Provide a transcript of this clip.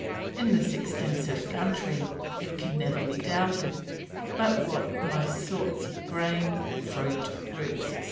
In this Extensive Country, it can never be doubted, but what most sorts of grain, Fruit, roots, etc.